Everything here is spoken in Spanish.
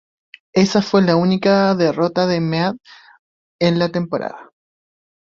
Esa fue la única derrota de Mead en la temporada.